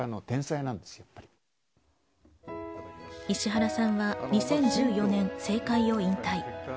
石原さんは２０１４年、政界を引退。